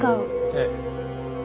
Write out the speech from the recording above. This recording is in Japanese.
ええ。